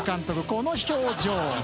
この表情。